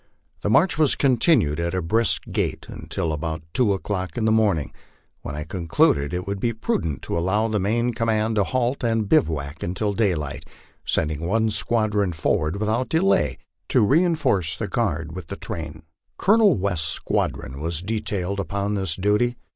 The march was continued at a brisk gait until about two o'clock in the morn ing, when I concluded it would be prudent to allow the main command to halt and bivouac until daylight, sending one squadron forward without delay, to re inforce the guard with the train. Colonel West's squadron was detailed upon this duty.